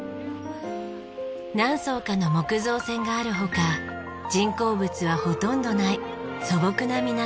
何艘かの木造船がある他人工物はほとんどない素朴な港です。